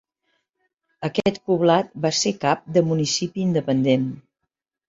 Aquest poblat va ser cap de municipi independent.